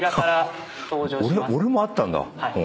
俺もあったんだ。